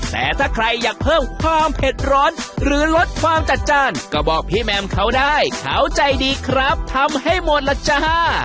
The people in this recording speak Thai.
แต่ถ้าใครอยากเพิ่มความเผ็ดร้อนหรือลดความจัดจ้านก็บอกพี่แมมเขาได้เขาใจดีครับทำให้หมดล่ะจ้า